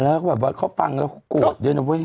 แล้วเขาฟังเนี่ยแล้วกรวดเยอะนะเว้ย